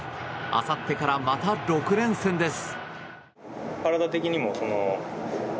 あさってから、また６連戦です。